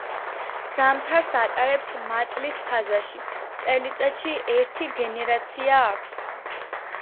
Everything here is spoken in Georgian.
ზამთარს ატარებს მატლის ფაზაში, წელიწადში ერთი გენერაცია აქვს.